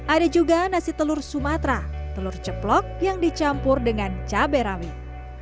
ada juga nasi telur sumatera telur ceplok yang dicampur dengan cabai rawit